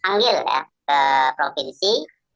panggil ke provinsi